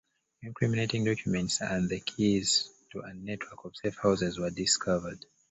Incriminating documents and the keys to a network of safe houses were discovered.